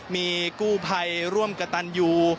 มีกู้ภัยร่วมกับตันยู